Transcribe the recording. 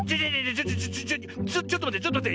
ちょちょちょっとまってちょっとまって。